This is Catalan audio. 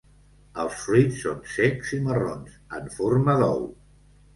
Els fruits són secs i marrons en forma d'ou.